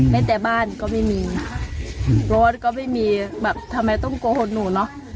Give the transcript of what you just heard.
ไม่แต่บ้านก็ไม่มีรถก็ไม่มีแบบทำไมต้องโกหกหนูเนอะ